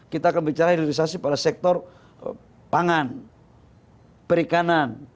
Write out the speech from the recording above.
kita akan bicara hilirisasi pada sektor pangan perikanan